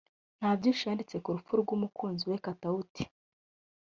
nta byinshi yanditse ku rupfu rw’umukunzi we Katauti